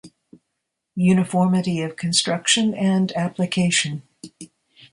Uniformity of Construction and Application.